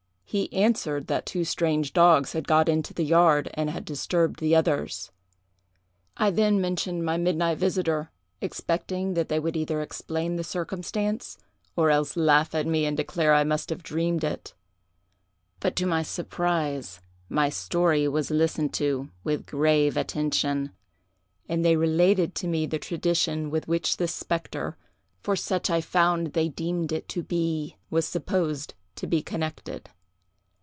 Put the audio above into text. He answered that two strange dogs had got into the yard and had disturbed the others. I then mentioned my midnight visiter, expecting that they would either explain the circumstance, or else laugh at me and declare I must have dreamed it. But, to my surprise, my story was listened to with grave attention, and they related to me the tradition with which this spectre, for such I found they deemed it to be, was supposed to be connected.